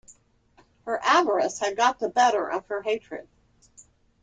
Her avarice had got the better of her hatred.